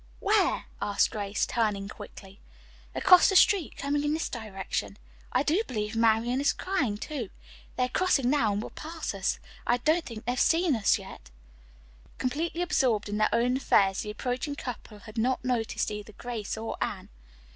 "Where!" asked Grace, turning quickly. "Across the street, coming in this direction. I do believe Marian is crying, too. They are crossing now, and will pass us. I don't think they've seen us yet." Completely absorbed in their own affairs the approaching couple had not noticed either Grace or Anne.